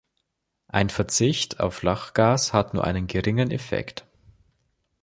Ein Verzicht auf Lachgas hat nur einen geringen Effekt.